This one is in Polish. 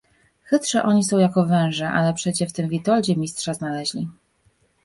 "chytrzy oni są jako węże, ale przecie w tym Witoldzie mistrza znaleźli."